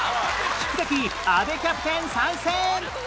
宿敵阿部キャプテン参戦！